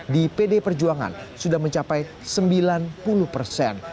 di pd perjuangan sudah mencapai sembilan puluh persen